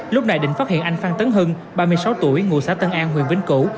lúc này định phát hiện anh phan tấn hưng ba mươi sáu tuổi ngụ xã tân an huyện vĩnh cửu